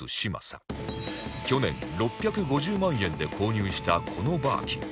去年６５０万円で購入したこのバーキン